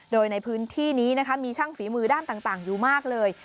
โดยในพื้นที่นี้นะคะมีช่างฝีมือด้านต่างอยู่มากเลย